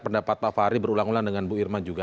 pendapat pak fahri berulang ulang dengan bu irma juga